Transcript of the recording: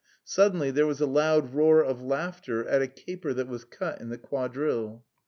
Suddenly there was a loud roar of laughter at a caper that was cut in the quadrille.